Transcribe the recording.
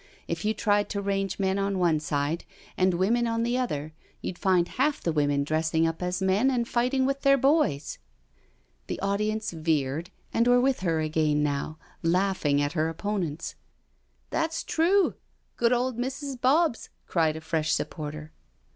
If you tried to range men on one side and women on the other, you'd find half the women dressing up as men and fighting with their boys I" The audience veered and were with her again now, laughing at her opponents: "That's true— good old Mrs. Bobs I" cried a fresh supporter.